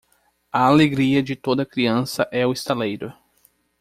A alegria de toda criança é o estaleiro.